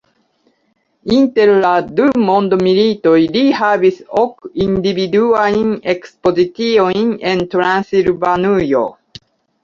Inter la du mondmilitoj li havis ok individuajn ekspoziciojn en Transilvanujo.